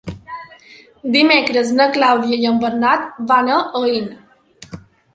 Dimecres na Clàudia i en Bernat van a Aín.